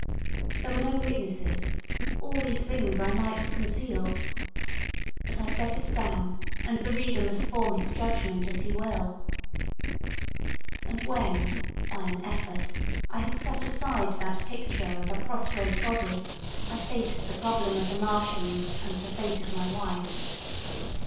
There were no witnesses—all these things I might have concealed. But I set it down, and the reader must form his judgment as he will. And when, by an effort, I had set aside that picture of a prostrate body, I faced the problem of the Martians and the fate of my wife.